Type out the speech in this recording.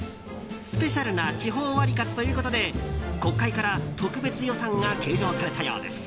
スペシャルな地方ワリカツということで国会から特別予算が計上されたようです。